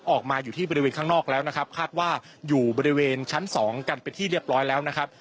ออกมาอยู่ที่บริเวณข้างนอกแล้วนะครับคาดว่าอยู่บริเวณชั้นสองกันเป็นที่เรียบร้อยแล้วนะครับ